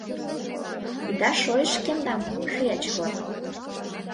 Ида шойышт шкендам, шояче-влак!